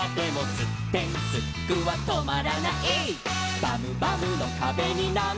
「すってんすっくはとまらない」「ばむばむのかべになんどはじかれても」